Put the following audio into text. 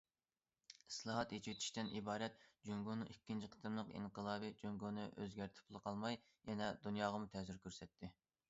ئىسلاھات، ئېچىۋېتىشتىن ئىبارەت جۇڭگونىڭ ئىككىنچى قېتىملىق ئىنقىلابى جۇڭگونى ئۆزگەرتىپلا قالماي، يەنە دۇنياغىمۇ تەسىر كۆرسەتتى.